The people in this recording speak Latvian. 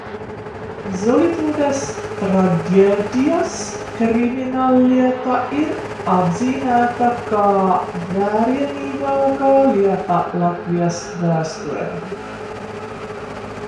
Zolitūdes traģēdijas krimināllieta ir apzīmēta kā vērienīgākā lieta Latvijas vēsturē.